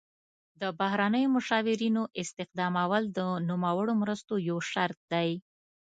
د بهرنیو مشاورینو استخدامول د نوموړو مرستو یو شرط دی.